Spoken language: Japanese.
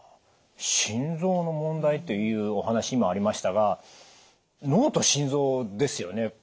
「心臓の問題」というお話にもありましたが脳と心臓ですよね。